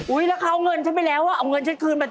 แล้วเขาเอาเงินฉันไปแล้วอ่ะเอาเงินฉันคืนไปเ